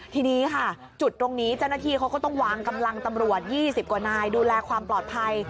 ทีนี้ค่ะจุดตรงนี้เจ้าหน้าที่เขาก็ต้องวางกำลังตำรวจ๒๐กว่านายดูแลความปลอดภัย